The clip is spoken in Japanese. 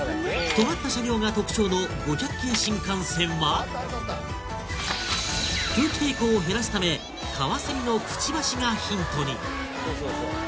とがった車両が特徴のあったあった空気抵抗を減らすためカワセミのくちばしがヒントにへぇそうそう